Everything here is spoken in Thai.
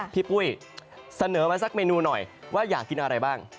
ปุ้ยเสนอมาสักเมนูหน่อยว่าอยากกินอะไรบ้าง